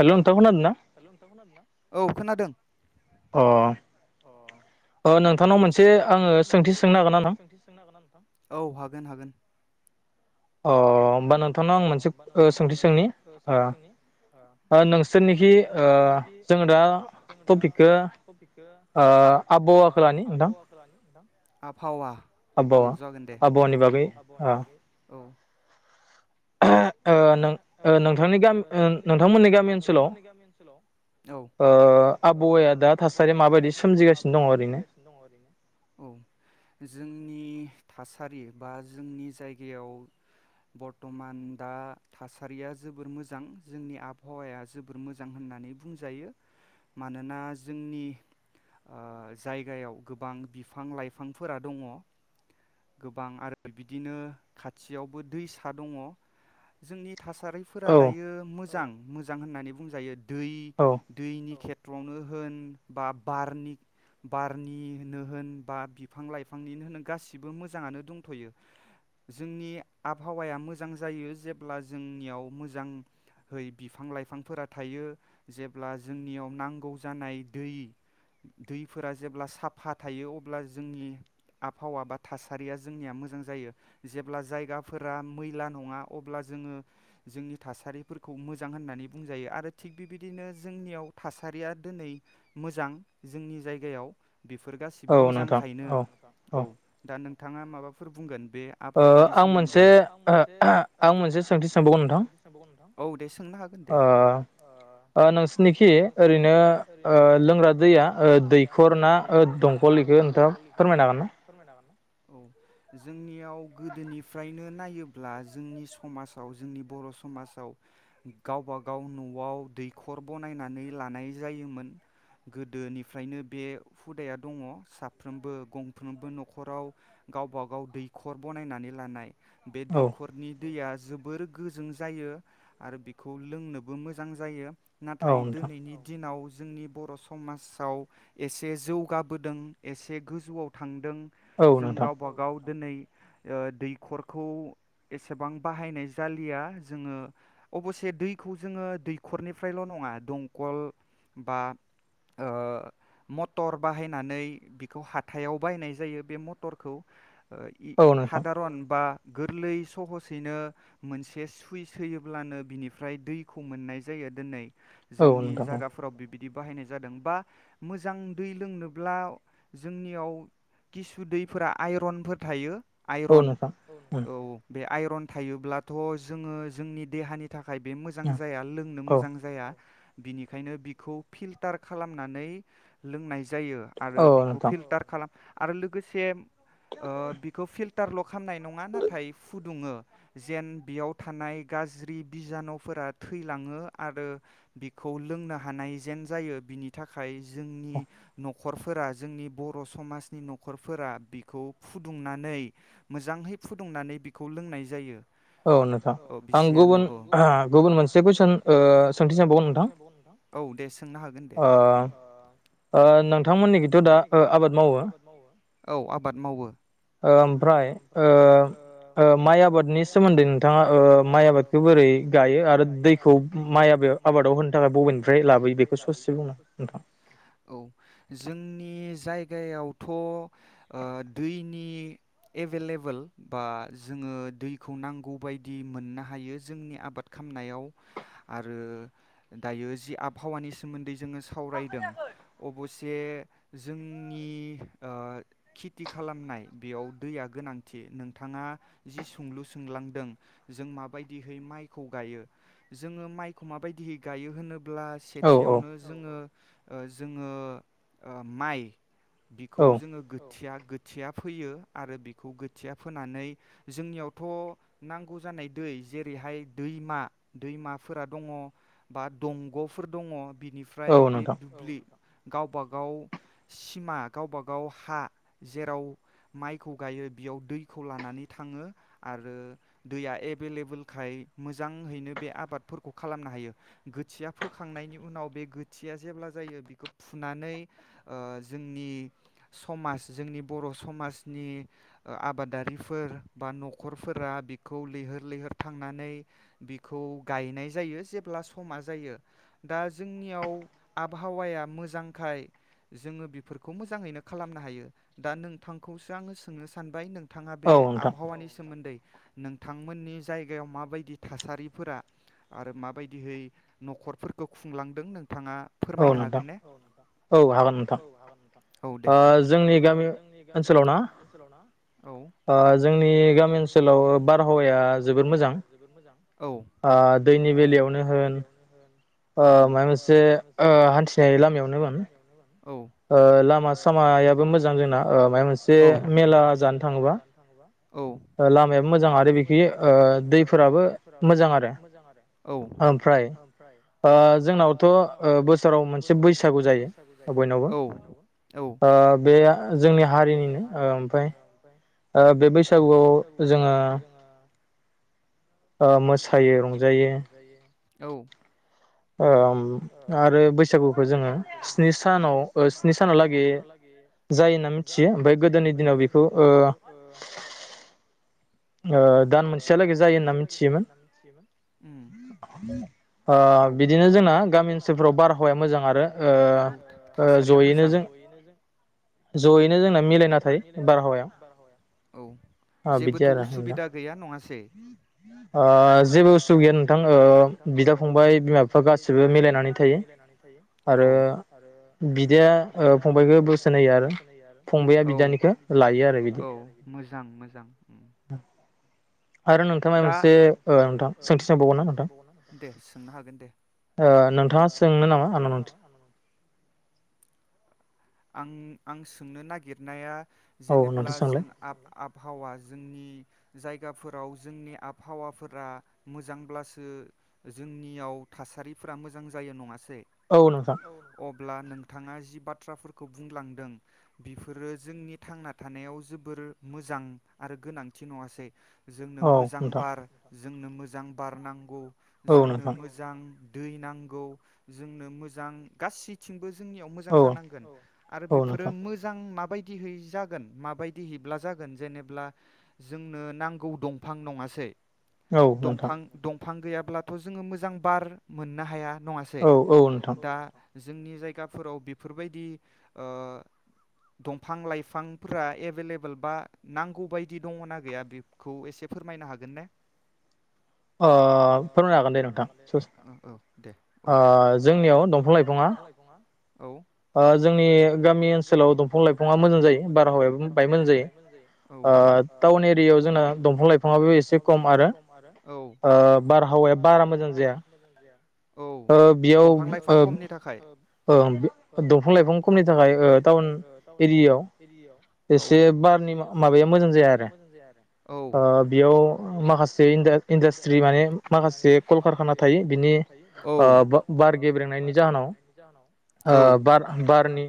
हेल नोंथां खोनादों ना? औ खोनादों। अ औ हागोन हागोन। अ होमबा नोंथांनाव आं मोनसे सोंथि सोंनि ओ नोंसोरनिखि ओ जोङो दा टपिकखौ ओ आबहावाखौ लानि नोंथां। आबहावा औ जागोन दे आबहावा आबहावानि बागै औ [unintelligible] ओ नों-नोंथांनि ओ नोंथांमोननि गामि ओनसोलाव औ ओ आबहावाया दा थासारिया माबायदि सोमजिगासिनो दङ ओरैनो? औ जोंनि जोंनि थासारि बा जोंनि जायगायाव बरथमान दा थासारिया जोबोर मोजां जोंनि आबहावाया जोबोर मोजां होननानै बुंजायो। मानोना जोंनि ओ जायगायाव गोबां बिफां लाइफांफोरा दङ। गोबां आरो बिदिनो खाथियावबो दैसा दङ। जोंनि थासारिफोरा दायो मोजां। मोजां होननानै बुंजायो। दै दैनि खेत- ट वानो होन बा बारनि बारनिनो होन बा बिफां लाइफांनिनो होन गासिबो मोजाङानो दंथयो जोंनि आबहावाया मोजां जायो जे ब्ला जोंनियाव मोजाङै बिफां लाइफां थायो। जे जोंनियाव नांगौ जानाय दै दैफोरा जेब्ला साफा थायो अब्ला जोंनि आबहावा बा थासारिया जोंनिया मोजां जायो। जेब्ला जायगाफोरा मैला नङा अब्ला जोङो जोंनि थासारिफोरखौ मोजां होननानै बुंजायो आरो थिग बेबायदिनो जोंनियाव थासारिया दिनै मोजां जोंनि जायगायाव। बेफोर गासिबो मोजांखायनो औ दा नों नोंथाङा माबाफोर बुंगोन? बे आबहावानि सोमोन्दै? ओ आं मोनसे ओ आं मोनसे सोंथि सोंबावगोन नोंथां। औ दे सोंनो हागोन दे। ओ नोंसोरनिखि ओरैनो लोंग्रा दैया दैखर ना ओ दंखल इखो नोंथाङा फोरमायनो हागोन ना? जोंनियाव गोदोनिफ्रायनो नायोब्ला जोंनि समाजाव जोंनि बर' समाजाव गावबा गाव नयाव दैखर बनायनानै लानाय जायोमोन। गोदोनिफ्रायनो बे हुदाया दङ साफ्रोमबो गंफ्रोमबो नखराव गावबा गाव दैखर बनायनानै लानाय। बे दैखरनि दैया जोबोर गोजों जायो आरो बेखौ लोंनोबो मोजां जायो। नाथाय दिनैनि दिनाव। जोंनि बर' समाजाव एसे जौगाबोदों एसे गोजौआव थां दों जों गावबा गाव दैखरखौ एसे एसेबां बाहायनाय जालिया जोङो अबसे दैखौ जोङो दैखरनिफ्रायल' नङा दंख'ल बा मटर बाहायनानै बिखौ हाथायाव बायनाय जायो बे मटरखौ। ओ इ खादारन बा गोरलै सहस ससैनो मोनसे सुइस होयोब्लानो बिनिफ्राय दैखौ मोननाय जायो दोनै। जोंनि जागाफोराव बिदि बाहायनाय जादों बा मोजां दै लोंनोब्ला जोंनियाव किसु दैफोरा आइरनफोर थायो। आइरन औ बे रन थायोब्लाथ' जोङो जोंनि देहानि थाखाय बे मोजां जाया लोंनो मोजां जाया। बिनिखायनो बिखौ फिल्टार खालामनानै लोंनाय जायो। जायो आरो बिखौ फिल्टार खालाम आरो लोगोसे। ओ बिखौ फिल [unintelligible] खामनाय नङा नाथाय फुदुङो जेन बेयाव थानाय गाज्रि बिजानुफोरा थैलाङो आरो बिखौ लोंनो हानाय जेन जायो बिनि थाखाय जोंनि न न'खरफोरा जोंनि बर' समाजनि न'खरफोरा बिखौ फुदुंनानै मोजाङै फुदुंनानै बिखौ लोंनाय जायो औ नोंथां आं गुबुन आं गुबुन मोनसे कुसन ओ सोंथि सोंबावगोन नोंथां औ दे सों सोंनो हागोन दे ओ नोंथांमोननिखिथ' दा आबाद मावो औ आबाद मावो ओ ओमफ्राय ओ माइ आबादनि सोमोन्दै नोंथाङा ओ माइ आबादखौ बोरै गायो आरो दैखौ माइ आब आबादाव होनो थाखाय बबेनिफ्राय लाबोयो बेखौ ससिगोन औ जोंनि जायगायावथ' दैनि एभेलेबेल बा जोङो दैखौ नांगौबायदि मोननो हायो जोंनि आबाद खालामनायाव आरो दायो जि आबहावानि सोमोन्दै जोङो सावरायदों अबसे जोंनि खेथि खालामनाय बेयाव दैया गोनांथि नोंथाङा जि सोंलु सोंलांदों जों माबायदिहै माइखौ गायो जोङो माइखौ माबायदिहै गायो होनोब ब्ला सेथियावनो जोङो जोङो माइ बिखौ जोङो खोथिया गोथिया फोयो आरो बेखौ गोथिया फोनानै जोंनियावथ' नांगौ जानाय दै जेरैहाय दैमा दैमाफोरा दङ बा दंग'फोर दङ बिनिफ्राय बे दुब्लि गावबा गाव सिमा गावबा गाव हा जेराव माइखौ गायो बेयाव दैखौ लानानै थाङो आरो दैया एभेलेबलखाय मोजाङैनो बे आबादफोरखौ खालामनो हायो गोथिया फोखांनायनि उनाव बे गोथिया जेब्ला जायो बेखौ फुनानै ओ जोंनि समाज जोंनि बर' समाजनि आबादारिफोर बा न'खरफोरा बिखौ लैहोर लैहोर थांनानै बिखौ गायनाय जायो जेब्ला समा जायो दा जोंनियाव आबहावाया मोजांखाय जोङो बेफोरखौ मोजाङैनो खालामनो हायो दा नोंथांखौसो आङो सोंनो सानबाय नों थाङा बे आबहावानि सोमोन्दै नोंथांमोननि जायगायाव माबायदि थासारिफोरा आरो माबायदिहै न'खरफोरखौ खुंलांदों नों थाङा फोरमायनो हागोन ने औ नोंथां औ हागोन नोंथां औ दे जोंनि गामि ओनसोलाव ना औ ओ जोंनि गामि ओनसोलाव बारहावाया जोबोर मोजां औ ओ दैनि बेलायावनो होन औ ओ माबा मोनसे ओ हान्थिनाय लामायावनो होन ओ लामा सामायाबो मोजां जोंना ओ मायबा मोनसे मेला जानो थाङोबा औ लामायाबो मोजां आरो बिखि ओ दैफोराबो मोजां आरो औ ओमफ्राय ओ जोंनावथ' बोसोराव मोनसे बैसागु जायो औ औ बे जोंनि हारिनि ओ बे बैसागुआव जोङो ओ मोसायो रंजायो औ ओम आरो बैसागुखौ जोङो स्नि सानाव ओ स्नि सानावलागै जायो होनना मिथियो ओफाय गोदोनि दिनाव बेखौ ओ ओ ओ दान मोनसेहालागै जायो होनना मिथियोमोन ओम औ ओ बिदिनो जोंना गामि ओनसोलफोराव बारहावाया मोजां आरो औ थासारिया मोजां जयैनो जों जोंना मिलायना बारहावाया औ जेबो जिआरा होनदां गैया नङासै ओ जेबो उसुग गैया नोंथां ओ बिदा फंबाय बिमा बिफा गासिबो मिलायनानै थायो औ आरो बिदाया ओ फंबायखौ बोसोन होयो आरो औ फंबाया बिदानिखौ लायो आरो औ मोजां मोजां [inaudible] दा नोंथाङा मोनसे ओ नोंथां सोंथि सोंबावगोन ना नोंथां दे सोंनो हागोन दे ओ नोंथाङा सोंनो नामा आंनाव आं आं सोंनो नागिरनाया जेनेब्ला जों आब आब हावा जोंनि जायगाफोराव जोंनि आबहावाफोरा मोजांब्लासो जोंनियाव थासारिफोरा मोजां जायो नङा सै औ नंगौ ब्ला नोंथाङा जि बाथ्राफोरखौ बुंलांदों बिफोरो जोंनि थांना थानायाव जोबोर मोजां आरो गोनांथि नङासै जोंनो मोजां बार जोंनो मोजां बारनांगौ जोंनो मोजां दै नांगौ जोंनो मोजां गासैथिंबो जोंनियाव मो जानांगोन आरो बेफोरो मोजां माब बायदि है जागोन माबायदि हैब्ला जागोन जेनेब्ला जोंनो नांगौ दंफां नङासै दंफां दं फां गैयाब्लाथ' जोङो मोजां बार मोननो हाया नङासै दा जोंनि जायगाफोराव बि फोरबायदि दंफां लाइफांफोरा एभेलेबेल बा नांगौ बायदि दङना गैया बेखौ एसे फोरमायनो हागोन ने अ फोरमानो हागोन दे दे नोंथां ओ औ दे औ जोंनियाव दंफां लाइफाङा औ ओ जोंनि गामि ओनसोलाव दंफां लाइफाङा मोजां जायो बारहावायाबो बाय मोजां जायो औ ओ टाउन एरियायाव जोंना दंफां लाइफाङाबो एसे खम आरो औ ओ बारहावाया बारा मोजां जाया औ दंफां लाइफां खमनि थाखाय ओं बे ओ दंफां लाइफां खमनि थाखाय ओ टाउन एरियायाव औ एसे बारनि माबाया मोजां जाया आरो औ बेयाव माखासे इन्डा इन्डासट्रि माने माखासे कलकारखाना थायो औ ओ बार गेब्रेंनायनि जाहोनाव ओ बार बारनि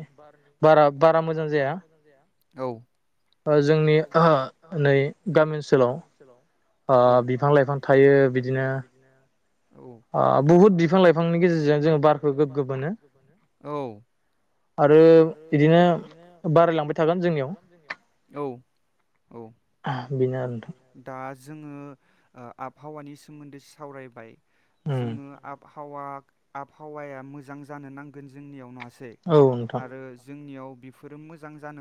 बारा बारा मोजां जाया औ ओ जोंनि नै गामि ओनसोलाव औ बिफां लाइफां थायो बिदिनो आ बुहुत बिफां लाइफांनि गेजेरजों जोङो बारखौ गोग्गो मोनो औ आरो बिदिनो बारायलांबाय थागोन जोंनियाव औ औ दा दा जोङो ओ आबहावानि सोमोनदै सावरायबाय जोङो आब हावा आबहावाया मोजां जानो नां गोन जोंनियाव नङा सै आरो जोंनियाव बेफोरो मोजां जान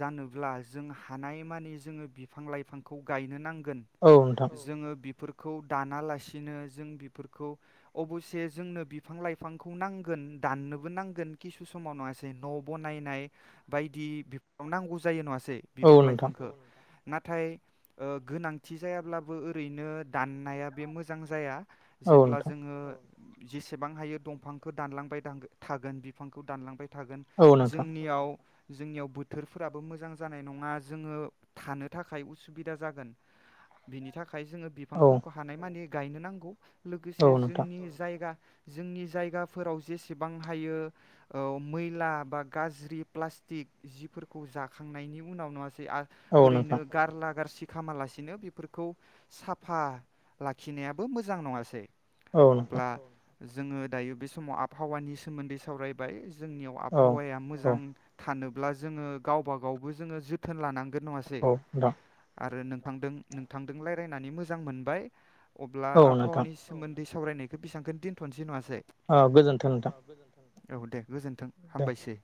जानोब्ला जों हानायमानि जोङो बिफां लाइफांखौ गायनो नां गोन औ जोङो बेफोर खौ दानालासिनो जों बेफोरखौ अबसे जोंनो बिफां लाइफांखौ नांगोन दाननोबो नांगोन किसु समाव नङासै न' बनायनाय बायदि बेफोराव नांगौ जायो नङासै बिफां लाइफांखौ नाथाय ओ गोनांथि जायाब्लाबो ओरैनो दाननाया बे मोजां जाया जेब्ला जोङो जेसेबां हायो दंफांखौ दानलांबाय थागोन बिफांखौ दानलांबाय थागोन जोंनियाव जोंनियाव बोथोरफोराबो मोजां जानाय नङा जोङो थानो थाखाय उसुबिदा जागोन बेनि था खाय जोङो बिफांफोरखौ हानाय मानि गायनो नांगौ लोगोसे जोंनि जायगा जोंनि जायगाफोराव जेसे एसेबां हायो ओ मैला बा गाज्रि प्लास्टिक जिफोरखौ जाखांनायनि उनाव नङा ओरैनो गारला गारसि खामालासिनो बेफोरखौ साफा लाखिनायाबो मोजां नङासै अब्ला जोङो दायो बे समाव आब हावानि सोमोनदै सावरायबाय जोंनियाव आबहावाया मोजां थानो ब्ला जोङो गावबा गावबो जोङो जोथोन लानांगौ नङासै आरो नों थांजों नोंथांजों रायलायनानै मोजां मोनबाय अब्ला आबहावानि सोमोन्दै सावरायनायखौ बेसांखोनो दोनथ'नोसै नङा सै गोजोन्थों नोंथां औ दे गोजोन्थों हामबायसै